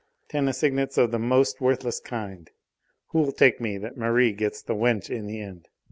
Ten assignats of the most worthless kind! Who'll take me that Merri gets the wench in the end?"